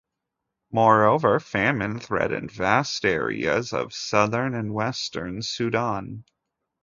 Moreover, famine threatened vast areas of southern and western Sudan.